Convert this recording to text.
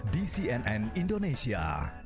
di cnn indonesia